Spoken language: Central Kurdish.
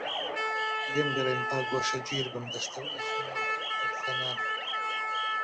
لێم گەڕێن با گۆشەگیر بم دەستەوئەژنۆ کەفزەنان